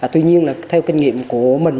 tuy nhiên theo kinh nghiệm của mình